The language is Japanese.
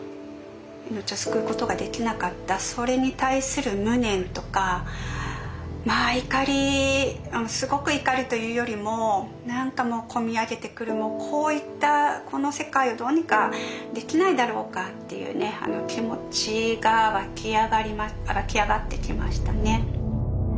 命を救うことができなかったそれに対する無念とかまあ怒りすごく怒るというよりも何かもうこみ上げてくるもうこういったこの世界をどうにかできないだろうかっていう気持ちが湧き上がってきましたね。